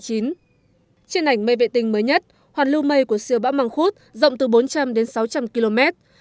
trên ảnh mây vệ tinh mới nhất hoàn lưu mây của siêu bão măng khuất rộng từ bốn trăm linh đến sáu trăm linh km